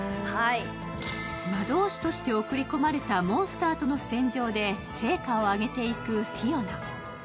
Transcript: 魔導士として送り込まれたモンスターとの戦場で成果を上げていくフィオナ。